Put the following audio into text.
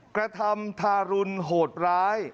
กระทำทารุณโหดร้าย